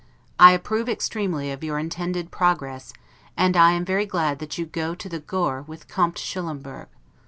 I approve extremely of your intended progress, and am very glad that you go to the Gohr with Comte Schullemburg.